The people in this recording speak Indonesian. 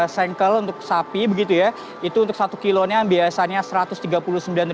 sengkel untuk sapi begitu ya itu untuk satu kilonya biasanya rp satu ratus tiga puluh sembilan